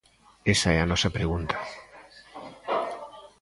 Esa é a nosa pregunta.